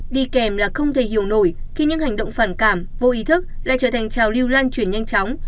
đi kèm là không thể hiểu nổi khi những hành động phản cảm vô ý thức lại trở thành trào lưu lan truyền nhanh chóng